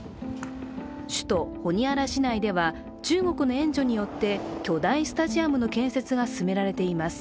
首都ホニアラ市内では中国の援助によって巨大スタジアムの建設が進められています。